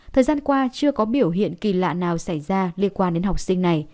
thời gian qua chưa có biểu hiện kỳ lạ nào xảy ra liên quan đến học sinh này